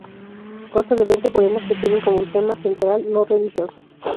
Consta de veinte poemas que tienen como tema central lo religioso.